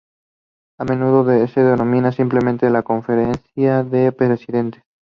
A menudo se denomina simplemente la "Conferencia de presidentes".